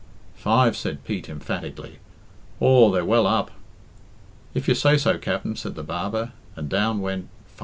"Five," said Pete emphatically. "Aw, they're well up." "If you say so, Capt'n," said the barber, and down went "515."